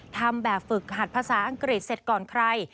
ทำแบบฝึกหัดภาษาอังกฤษเสร็จก่อนใคร